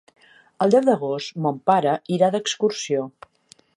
El deu d'agost mon pare irà d'excursió.